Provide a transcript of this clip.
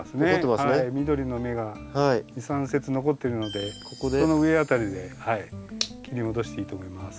はい緑の芽が２３節残ってるのでその上辺りで切り戻していいと思います。